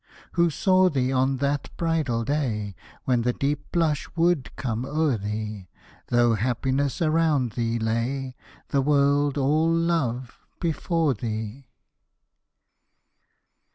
Who saw thee on that bridal day, When that deep blush would come o'er thee, Though happiness around thee lay; The world all love before thee.